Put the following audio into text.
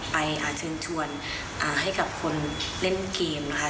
เชิญชวนให้กับคนเล่นเกมนะคะ